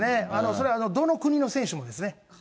それ、どの国の選手もですね。